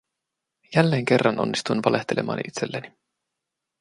Jälleen kerran onnistuin valehtelemaan itselleni.